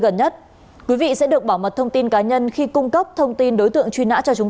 gần nhất quý vị sẽ được bảo mật thông tin cá nhân khi cung cấp thông tin đối tượng truy nã cho chúng